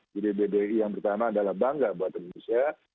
jadi bbi yang pertama adalah bank jabatan indonesia